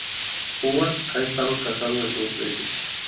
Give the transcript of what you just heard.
Howard ha estado casado dos veces.